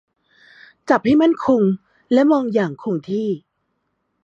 จับให้มั่นคงและมองอย่างคงที่